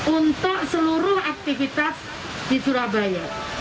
untuk seluruh aktivitas di surabaya